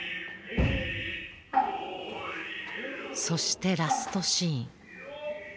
そしてラストシーン。